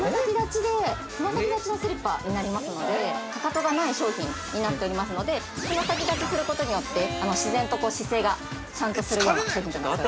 爪先立ちのスリッパになりますので、かかとがない商品になっておりますので、爪先立ちすることによって、自然と姿勢がしゃんとするような商品になっております。